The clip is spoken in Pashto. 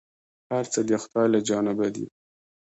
هر څه د خداى له جانبه دي ،